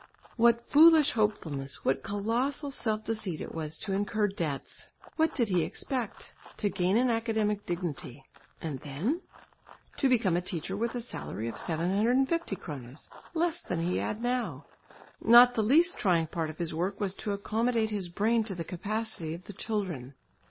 What foolish hopefulness, what colossal self deceit it was to incur debts! What did he expect? To gain an academic dignity. And then? To become a teacher with a salary of 750 kronas! Less than he had now! Not the least trying part of his work was to accommodate his brain to the capacity of the children.